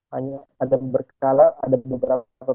hanya ada berkala ada beberapa